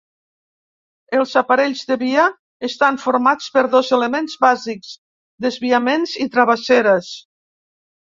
Els aparells de via estan formats per dos elements bàsics: desviaments i travesseres.